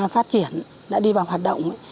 phát triển đã đi vào hoạt động ấy